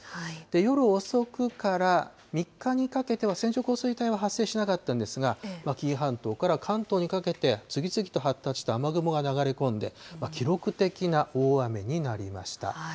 夜遅くから３日にかけては線状降水帯は発生しなかったんですが、紀伊半島から関東にかけて、次々と発達した雨雲が流れ込んで、記録的な大雨になりました。